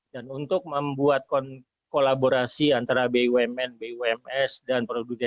dan untuk membuat kolaborasi antara bumn bums dan produsen